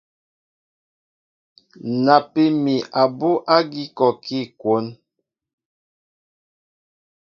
Napí mi abú ágí kɔɔkí kwón.